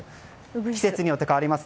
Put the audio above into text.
季節によって変わります。